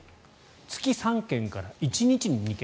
月３件から１日に２件。